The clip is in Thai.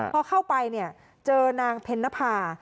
พอเข้าไปเนี่ยเจอนางเพ็ญนภา